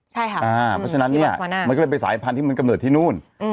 เพราะฉะนั้นเนี่ยมันก็เลยเป็นสายพันธุ์ที่มันกำเนิดที่นู่น